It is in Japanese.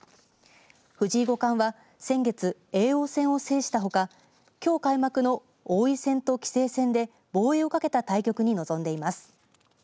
藤井五冠は先月叡王戦を制したほかきょう開幕の王位戦と棋聖戦で防衛を懸けた戦いに臨んでいます。